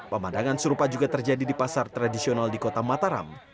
pemandangan serupa juga terjadi di pasar tradisional di kota mataram